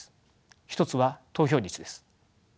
一つは投票率です。